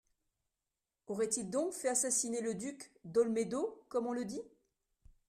Aurait-il donc fait assassiner le duc d’Olmédo, comme on le dit.